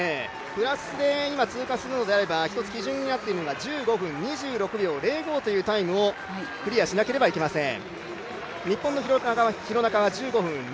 プラスで通過するのであれば今、基準となっているのは１５分２６秒０５というタイムをクリアしなければいけません。